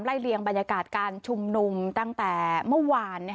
เลียงบรรยากาศการชุมนุมตั้งแต่เมื่อวาน